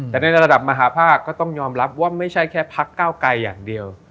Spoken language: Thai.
แต่ในระดับมหาภาคก็ต้องยอมรับว่าไม่ใช่แค่พักเก้าไกลอย่างเดียว